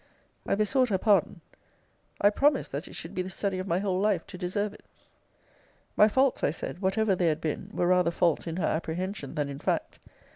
I besought her pardon. I promised that it should be the study of my whole life to deserve it. My faults, I said, whatever they had been, were rather faults in her apprehension than in fact.